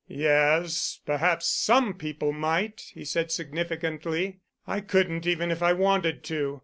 "Yes, perhaps some people might," he said significantly. "I couldn't, even if I wanted to.